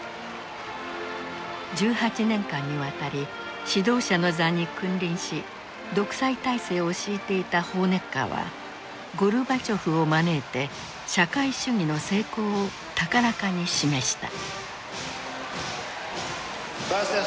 １８年間にわたり指導者の座に君臨し独裁体制を敷いていたホーネッカーはゴルバチョフを招いて社会主義の成功を高らかに示した。